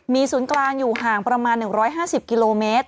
มีศูนย์กลางอยู่ห่างประมาณ๑๕๐กิโลเมตร